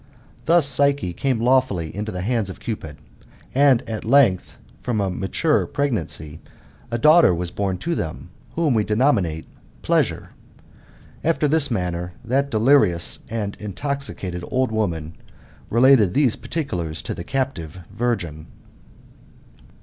Thus Psyche came lawfully into the hands of Cupid ; and, at length, ftom a mature pregnancy, a daughter was born to them, whom we denominate Pleasure. After this manner, that delirious and intoxicated old woman related these partieu lars to the captive virgin.